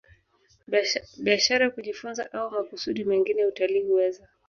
biashara kujifunza au makusudi mengine Utalii huweza